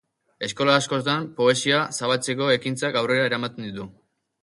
Eskola askotan poesia zabaltzeko ekintzak aurrera eramaten ditu.